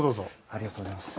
ありがとうございます。